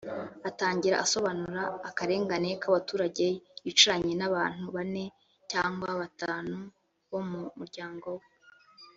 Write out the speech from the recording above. agatangira asobanura akarengane k’ abaturage yicaranye n’abantu bane cyangwa batanu bo mu muryango we